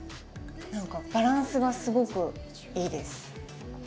何かバランスがすごくいいです。